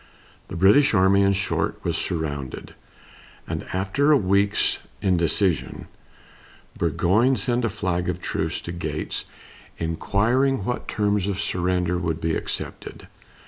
The British army, in short, was surrounded, and, after a week's indecision, Burgoyne sent a flag of truce to Gates, inquiring what terms of surrender would be accepted.